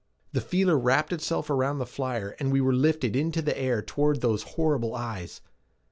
The feeler wrapped itself around the flyer and we were lifted into the air toward those horrible eyes.